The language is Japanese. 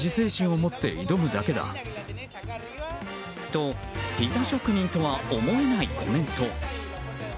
と、ピザ職人とは思えないコメント。